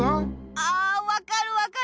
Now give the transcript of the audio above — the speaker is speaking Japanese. あ分かる分かる！